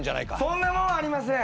そんなもんありません。